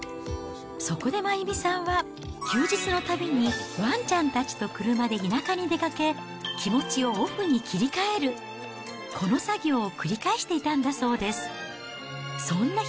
そこで真弓さんは、休日のたびにワンちゃんたちと車で田舎に出かけ、気持ちをオフに切り替える、この作業を繰り返していたんだそうです。